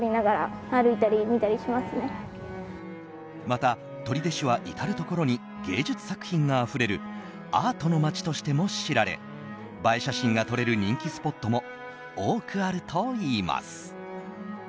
また、取手市は至るところに芸術作品があふれるアートのまちとしても知られ映え写真が撮れる人気スポットも多くあるといいます。